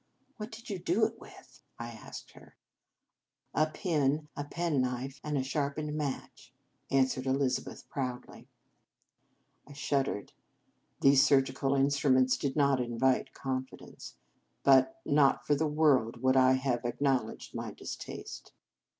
" What did you do it with? " I asked. "A pin, a penknife, and a sharp ened match," answered Elizabeth proudly. I shuddered. These surgical instru ments did not invite confidence ; but not for worlds would I have acknow ledged my distaste.